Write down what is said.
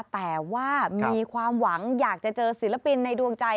แต่ว่ามีความหวังอยากจะเจอศิลปินในดวงใจ